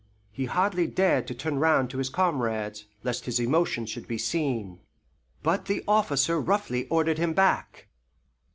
He hardly dared to turn round to his comrades, lest his emotion should be seen. But the officer roughly ordered him back.